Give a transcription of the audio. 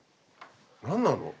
何なの？